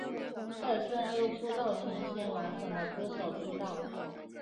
在声优出道前先完成了歌手出道。